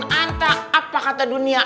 entah apa kata dunia